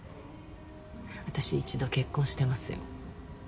私一度結婚してますよ・